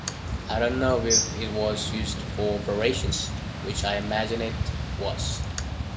I don't know if it was used for operations, which I imagine it was.